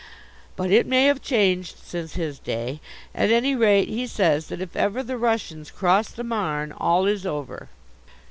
But it may have changed since his day. At any rate, he says that, if ever the Russians cross the Marne, all is over.